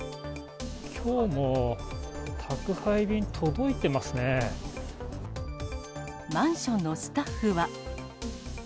きょうも宅配便、届いていまマンションのスタッフは。